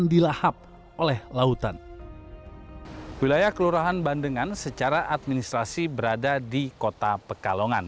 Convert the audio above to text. wilayah kelurahan bandengan secara administrasi berada di kota pekalongan